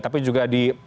tapi juga di